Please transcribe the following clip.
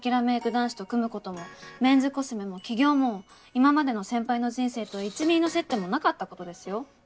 男子と組むこともメンズコスメも起業も今までの先輩の人生と１ミリの接点もなかったことですよ？